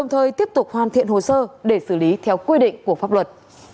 thời tiếp tục hoàn thiện hồ sơ để xử lý theo quy định của pháp luật